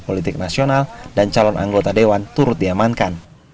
politik nasional dan calon anggota dewan turut diamankan